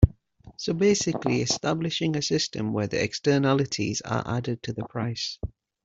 So basically establishing a system where the externalities are added to the price.